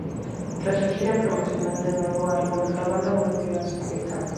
Tras la gira promocional del nuevo álbum, la banda volvió a sufrir cambios.